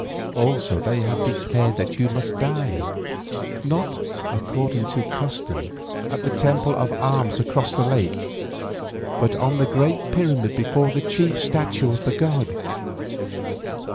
Also they have declared that you must die, not, according to custom, at the Temple of Arms across the lake, but on the great pyramid before the chief statue of the god.